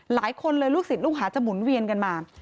หลายคนเลยลูกศิษย์ลูกหาจะหมุนเวียนกันมา